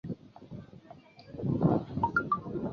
多变尻参为尻参科尻参属的动物。